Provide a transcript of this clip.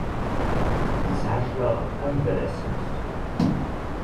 Isɛa cclaɣem am Brassens.